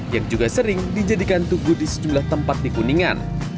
yang juga sering dijadikan tugu di sejumlah tempat di kuningan